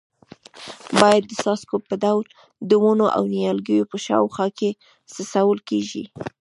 بیا د څاڅکو په ډول د ونو او نیالګیو په شاوخوا کې څڅول کېږي.